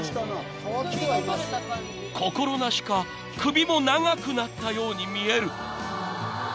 ［心なしか首も長くなったように見える］